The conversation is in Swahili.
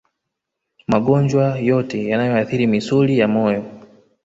Magonjwa yote yanayoathiri misuli ya moyo